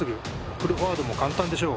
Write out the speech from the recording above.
プルフォワードも簡単でしょう。